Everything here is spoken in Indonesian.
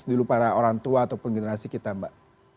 dulu para orang tua ataupun generasi kita mbak